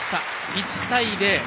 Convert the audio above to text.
１対０。